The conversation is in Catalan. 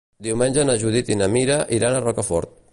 Diumenge na Judit i na Mira iran a Rocafort.